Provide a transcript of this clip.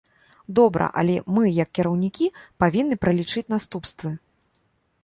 Добра, але мы, як кіраўнікі, павінны пралічыць наступствы.